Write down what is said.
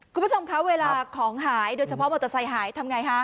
คุณผู้ชมคะเวลาของหายโดยเฉพาะมอเตอร์ไซค์หายทำไงฮะ